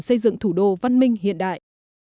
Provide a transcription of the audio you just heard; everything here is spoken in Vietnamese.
xây dựng thủ đô văn minh hiện đại